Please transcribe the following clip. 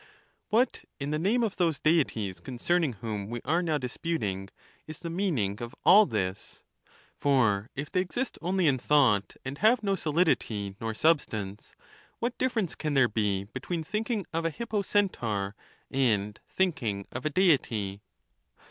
XXXVIII. What, in the name of those Deities concern ing whom we are now disputing, is the meaning of all this ? For if they exist only in thought, and have no solidity nor substance, what difference can there be between thinking of a Hippocentaur and thinking of a Deity?